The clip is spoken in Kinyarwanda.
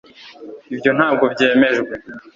ibyo ntabwo byemejwe